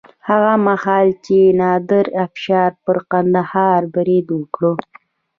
هغه مهال چې نادر افشار پر کندهار برید وکړ.